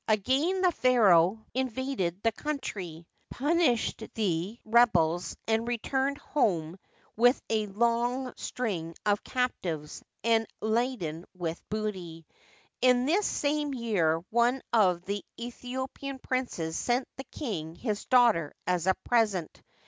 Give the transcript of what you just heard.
Again the pharaoh invaded the country, punished the rebels, and returned home with a long string of captives and laden with booty. In this same vear one of the Aethiopian princes sent the king his daughter as a present.